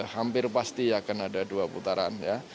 hampir pasti akan ada dua putaran ya